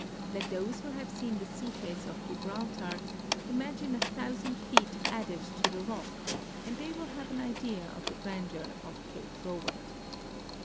Let those who have seen the sea face of Gibraltar imagine a thousand feet added to the rock and they will have an idea of the grandeur of Cape Froward.